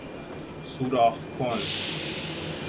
سوراخ کن